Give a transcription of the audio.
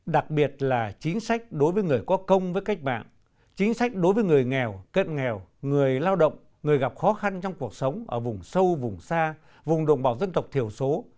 đặc biệt là chính sách đối với người có công với cách mạng chính sách đối với người nghèo cận nghèo người lao động người gặp khó khăn trong cuộc sống ở vùng sâu vùng xa vùng đồng bào dân tộc thiểu số